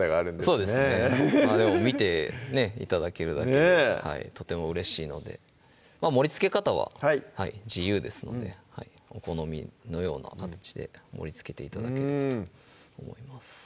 そうですねでも見て頂けるだけでとてもうれしいので盛りつけ方は自由ですのでお好みのような形で盛りつけて頂ければと思います